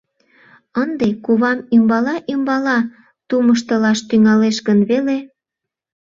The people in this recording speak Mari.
Ынде кувам ӱмбала-ӱмбала тумыштылаш тӱҥалеш гын веле.